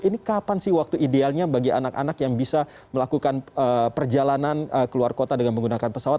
ini kapan sih waktu idealnya bagi anak anak yang bisa melakukan perjalanan keluar kota dengan menggunakan pesawat